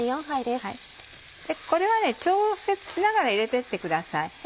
これは調節しながら入れて行ってください。